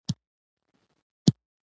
خان زمان وویل، ریښتیا چې غښتلی اس وو.